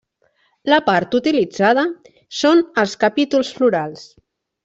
La part utilitzada són els capítols florals.